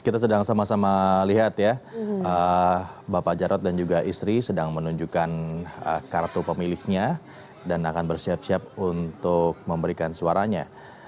kita sedang sama sama lihat ya bapak jarod dan juga istri sedang menunjukkan kartu pemilihnya dan akan bersiap siap untuk memberikan suaranya